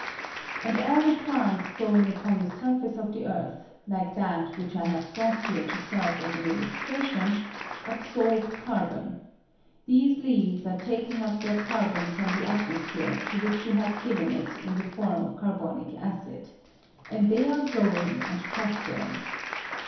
And all the plants growing upon the surface of the earth, like that which I have brought here to serve as an illustration, absorb carbon ; these leaves are taking up their carbon from the atmosphere to which we have given it in the form of carbonic acid, and they are growing and prospering.